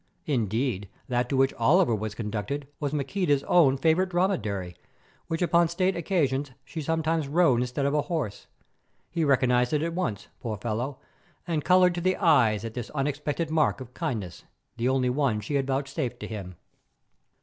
Indeed, that to which Oliver was conducted was Maqueda's own favourite dromedary, which upon state occasions she sometimes rode instead of a horse. He recognized it at once, poor fellow, and coloured to the eyes at this unexpected mark of kindness, the only one she had vouchsafed to him.